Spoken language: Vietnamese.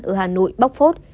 ở hà nội bóc phốt